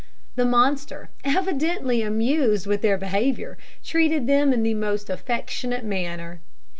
The monster, evidently amused with their behaviour, treated them in the most affectionate manner.